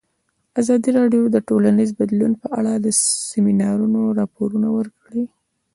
ازادي راډیو د ټولنیز بدلون په اړه د سیمینارونو راپورونه ورکړي.